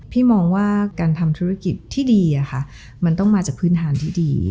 พี่มองว่าการทำธุรกิจที่ดีมันต้องมาจากพื้นฐานที่ดี